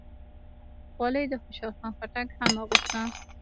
خولۍ د خوشحال خان خټک هم اغوسته.